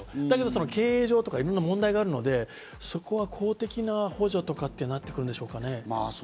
だけど経営状況とかいろいろあるので、そこは公的な補助とかになってくるんでしょうかね？